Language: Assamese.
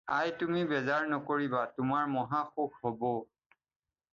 আই, তুমি বেজাৰ নকৰিবা, তোমাৰ মহা সুখ হ'ব।